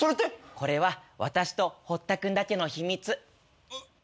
これは私とホッタ君だけの秘密。